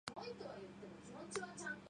Trinh mỉm cười rồi chào